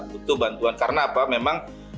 butuh bantuan karena apa